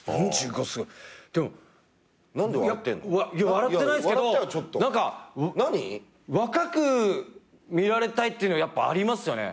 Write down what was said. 笑ってないっすけど若く見られたいってのありますよね。